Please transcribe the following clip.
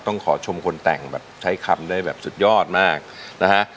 ต้องขอชมคนแต่งแบบใช้คำได้แบบสุดยอดมากนะฮะ